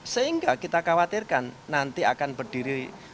sehingga kita khawatirkan nanti akan berdiri